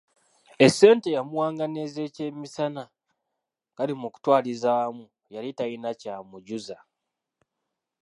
Essente yamuwanga n’ezekyemisana kale mukutwaliza awamu yali talina kyamujuza.